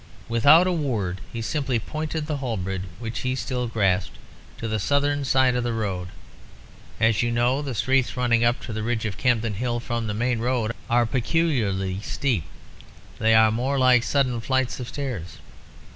Without a word, he simply pointed the halberd (which he still grasped) to the southern side of the road. As you know, the streets running up to the ridge of Campden Hill from the main road are peculiarly steep, they are more like sudden flights of stairs.